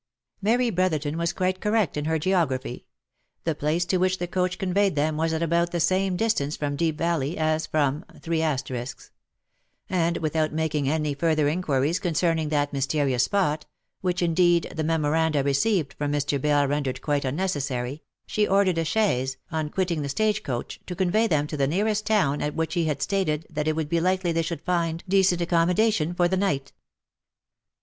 Mary Brotherton was quite correct in her geography ; the place to which the coach conveyed them was at about the same distance from Deep Valley as from ; and, without making any further inquiries concerning that mysterious spot, which indeed the memoranda received from Mr. Bell rendered quite unnecessary, she ordered a chaise, on quitting the stage coach, to convey them to the nearest town at which he had stated that it would be likely they should find decent accommo dation for the night.